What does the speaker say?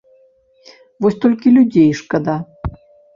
Вось толькі людзей шкада.